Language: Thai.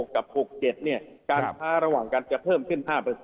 ค้าระหว่างกันจะเพิ่มขึ้น๕